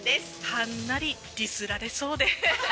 はんなりディスられそうで。